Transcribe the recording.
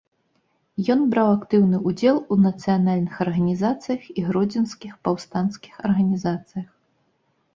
Ён браў актыўны ўдзел у нацыянальных арганізацыях і гродзенскіх паўстанцкіх арганізацыях.